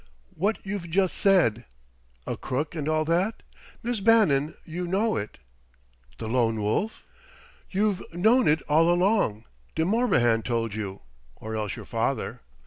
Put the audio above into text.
"What you've just said " "A crook and all that? Miss Bannon, you know it!" "The Lone Wolf?" "You've known it all along. De Morbihan told you or else your father.